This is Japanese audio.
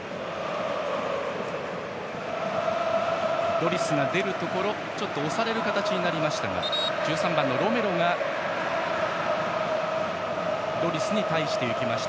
ロリスが出るところ押される形になりましたが１３番のロメロがロリスに対していきました。